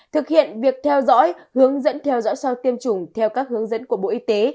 thực hiện việc theo dõi hướng dẫn theo dõi sau tiêm chủng theo các hướng dẫn của bộ y tế